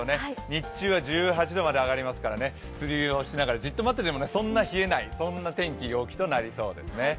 日中は１８度まで上がりますからね釣りをしながら、じっと待ってても冷えない天気となりそうです。